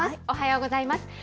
おはようございます。